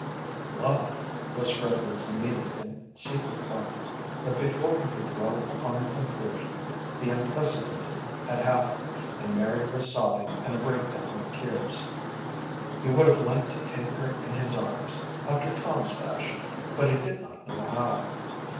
"Love," was Frederick's immediate and secret thought; but before he could dwell upon the conclusion, the unprecedented had happened and Mary was sobbing in a break down of tears. He would have liked to take her in his arms, after Tom's fashion, but he did not know how.